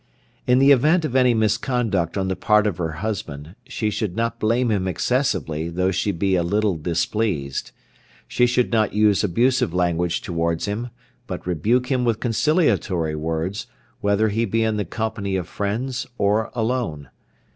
In the event of any misconduct on the part of her husband, she should not blame him excessively though she be a little displeased. She should not use abusive language towards him, but rebuke him with conciliatory words, whether he be in the company of friends or alone.